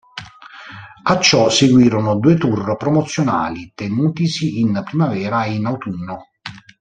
A ciò seguirono due tour promozionali tenutisi in primavera e in autunno.